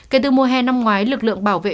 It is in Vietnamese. kể từ mùa hè năm ngoái lực lượng bảo vệ